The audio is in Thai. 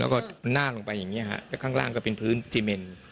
แล้วก็หน้าลงไปอย่างนี้ฮะแล้วข้างล่างก็เป็นพื้นซีเมน